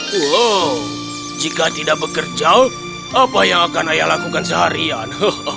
wow jika tidak bekerja apa yang akan ayah lakukan seharian